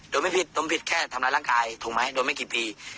โดมไม่ผิดโดมผิดแค่ทำร้ายร่างกายโดมไม่กี่ปี